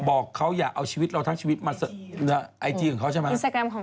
บอกเขาอยากเอาชีวิตเราทั้งชีวิตเอาไอจีของเขาใช่ไหม